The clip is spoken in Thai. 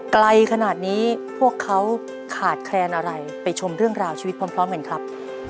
ไกลขนาดนี้พวกเขาขาดแคลนอะไรไปชมเรื่องราวชีวิตพร้อมกันครับ